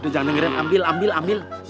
jangan dengerin ambil ambil ambil